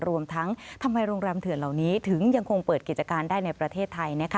รวมทั้งทำไมโรงแรมเถื่อนเหล่านี้ถึงยังคงเปิดกิจการได้ในประเทศไทยนะคะ